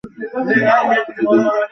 তিনি আরও কিছুদিন দেশটিতে থেকে যান।